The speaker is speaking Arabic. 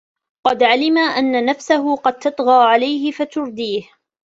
وَقَدْ عَلِمَ أَنَّ نَفْسَهُ قَدْ تَطْغَى عَلَيْهِ فَتُرْدِيهِ